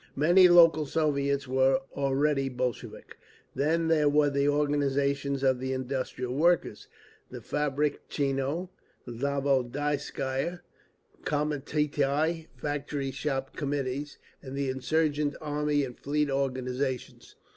Many local Soviets were already Bolshevik; then there were the organisations of the industrial workers, the Fabritchno Zavodskiye Comitieti—Factory Shop Committees; and the insurgent Army and Fleet organisations.